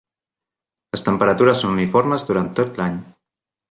Les temperatures són uniformes durant tot l'any.